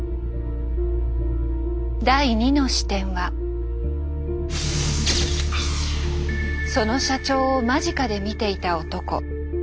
第２の視点はその社長を間近で見ていた男。